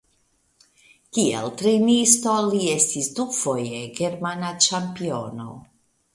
Kiel trejnisto li estis dufoje germana ĉampiono.